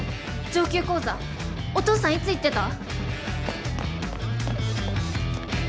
上級講座お父さんいつ行ってた？